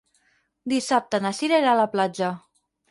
Dissabte na Sira irà a la platja.